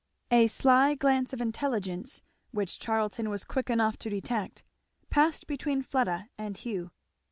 A sly glance of intelligence, which Charlton was quick enough to detect, passed between Fleda and Hugh.